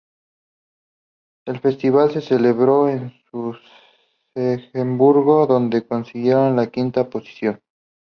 El Festival se celebró en Luxemburgo, donde consiguieron la quinta posición.